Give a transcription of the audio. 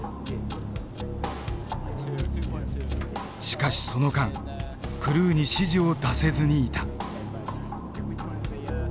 しかしその間クルーに指示を出せずにいた。